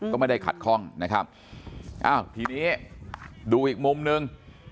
ก็ไม่ได้ขัดข้องนะครับอ้าวทีนี้ดูอีกมุมหนึ่ง